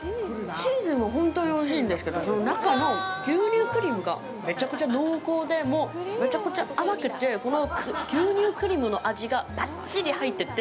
チーズも本当においしいんですけどその中の牛乳クリームがめちゃくちゃ濃厚でめちゃくちゃ甘くってこの牛乳クリームの味がばっちり入ってて。